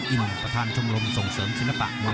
ผู้อภัยเงินประธานชมรมส่งเสริมศิลภาคมวยไทย